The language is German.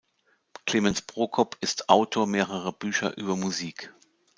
Clemens Prokop ist Autor mehrerer Bücher über Musik.